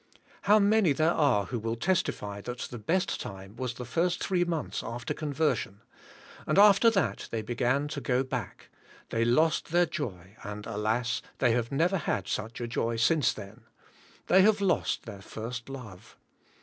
How many there are who will testify that the best time was the first three months after conversion; and after that they began to go back; they lost their joy and alas, they have never had such joy since then. They havelosttheir first love.